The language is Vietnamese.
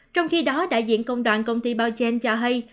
trong khi đó đại diện công đoàn công ty bao danh cho hay